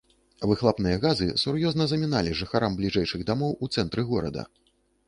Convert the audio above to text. Выхлапныя газы сур'ёзна заміналі жыхарам бліжэйшых дамоў у цэнтры горада.